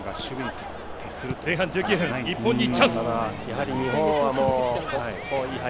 前半１９分、日本にチャンス。